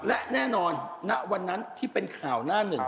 และแน่นอนณวันนั้นที่เป็นข่าวหน้าหนึ่ง